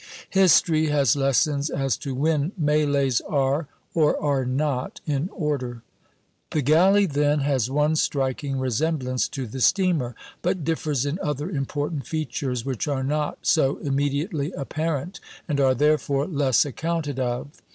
History has lessons as to when mêlées are, or are not, in order. The galley, then, has one striking resemblance to the steamer, but differs in other important features which are not so immediately apparent and are therefore less accounted of.